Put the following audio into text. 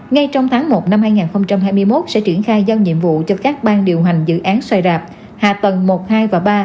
ngay trong tháng một năm hai nghìn hai mươi một sẽ triển khai giao nhiệm vụ cho các ban điều hành dự án xoài rạp hạ tầng một hai và ba